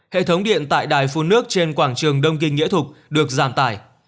hệ thống điện tại đài phun nước trên quảng trường đông kinh nghĩa thục được giảm tải